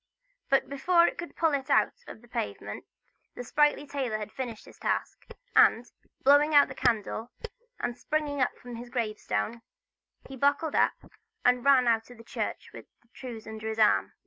But before it could pull it out of the pavement, the sprightly tailor had finished his task; and, blowing out his candle, and springing from off his grave stone, he buckled up, and ran out of the church with the trews under his arm.